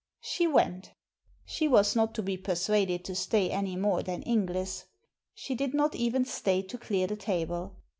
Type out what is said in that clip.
She went She was not to be persuaded to stay any more than Inglis. She did not even stay to clear the table.